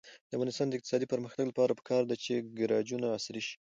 د افغانستان د اقتصادي پرمختګ لپاره پکار ده چې ګراجونه عصري شي.